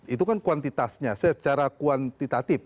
itu kan kuantitasnya secara kuantitatif